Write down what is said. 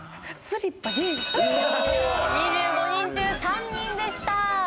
２５人中３人でした。